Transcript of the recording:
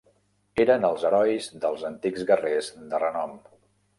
Eren els herois dels antics guerrers de renom.